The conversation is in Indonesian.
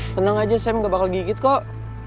senang aja sam gak bakal gigit kok